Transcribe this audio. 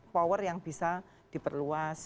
power yang bisa diperluas